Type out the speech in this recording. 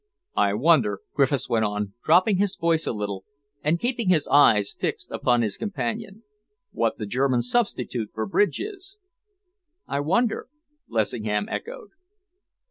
"I wonder," Griffiths went on, dropping his voice a little and keeping his eyes fixed upon his companion, "what the German substitute for bridge is." "I wonder," Lessingham echoed.